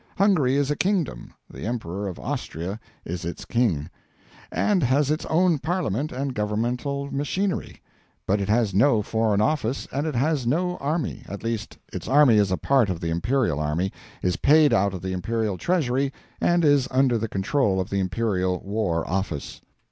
Hungary is a kingdom (the Emperor of Austria is its King), and has its own Parliament and governmental machinery. But it has no foreign office, and it has no army at least its army is a part of the imperial army, is paid out of the imperial treasury, and is under the control of the imperial war office.